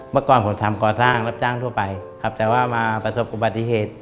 เมื่อก่อนผมทำก่อสร้างรับจ้างทั่วไปครับแต่ว่ามาประสบอุบัติเหตุ